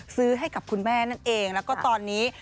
ซื้อให้กับคุณแม่นั่นเองแล้วก็ตอนนี้